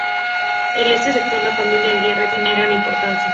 En este sector, la familia Aguirre tenía gran importancia.